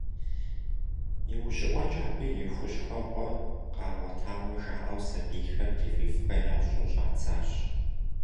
Иужьыӏуэкӏэ абы и хущхуэхъуэ къагъуэтауэ жаӏэу сабийхэр прививкэ ящӏу щӏадзащ.